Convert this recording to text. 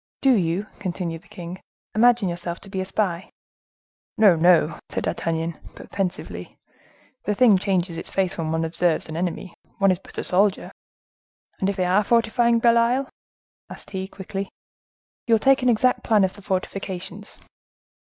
"Do you," continued the king, "imagine yourself to be a spy?" "No, no," said D'Artagnan, but pensively; "the thing changes its face when one observes an enemy: one is but a soldier. And if they are fortifying Belle Isle?" added he, quickly. "You will take an exact plan of the fortifications."